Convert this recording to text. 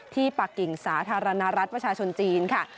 ปากกิ่งสาธารณรัฐประชาชนจีนค่ะ